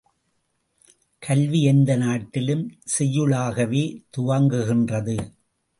கல்வி எந்த நாட்டிலும் செய்யுளாகவே துவங்குகின்றது.